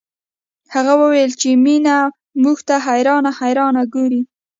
هغې وويل چې مينه موږ ته حيرانه حيرانه ګوري